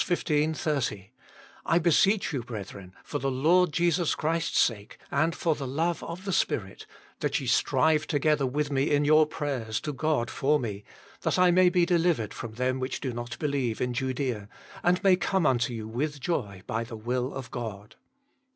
30 :"/ beseech you, brethren, for the Lord Jesus Christ s sake, and (or the love i? 164 THE MINISTRY OF INTERCESSION of the Spirit, that ye strive together with me in your prayers to God for me ; that I may be delivered from them which do not believe in Judaea; and may come unto you with joy by the will of God."